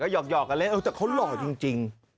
หยอกกันเล่นแต่เขาหล่อจริง